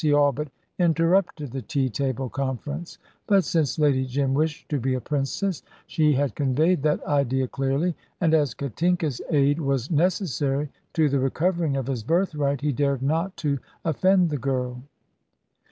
He all but interrupted the tea table conference. But since Lady Jim wished to be a princess she had conveyed that idea clearly and as Katinka's aid was necessary to the recovering of his birthright, he dared not to offend the girl.